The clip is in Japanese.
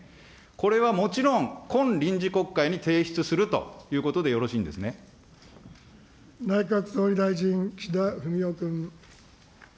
これはもちろん、今臨時国会に提出するということでよろしいんで内閣総理大臣、岸田文雄君。